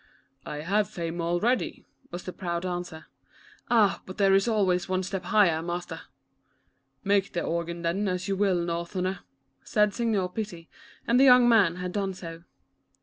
" I have fame already," was the proud answer. "Ah, but there is always one step higher, master." " Make the organ then, as you will, North erner," said Signor Pitti, and the young man had done so.